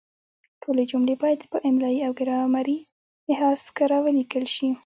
ټولې جملې باید په املایي او ګرامري لحاظ کره ولیکل شي.